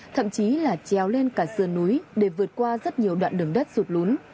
thậm chí là treo lên cả sườn núi để vượt qua rất nhiều đoạn đường đất sụt lún